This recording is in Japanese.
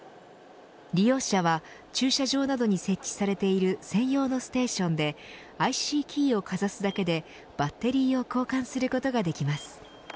利用者は駐車場などに設置されている専用のステーションでＩＣキーをかざすだけでバッテリーを交換することができます。